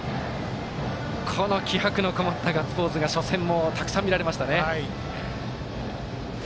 この気迫のこもったガッツポーズが初戦もたくさん見られましたね。